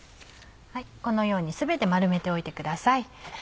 このように全て丸めておいてください。